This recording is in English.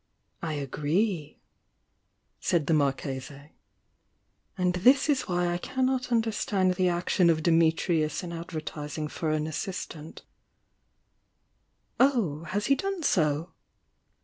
"I agree!" said the Marchese. "And this is why I cannot understand the action of Dimitrius in ad vertising for an assistant " "Oh, has he done so?"